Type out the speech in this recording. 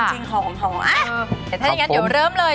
อ้าจริงหอม